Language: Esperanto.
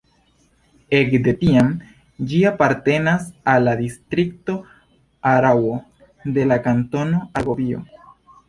Ek de tiam ĝi apartenas al la distrikto Araŭo de la Kantono Argovio.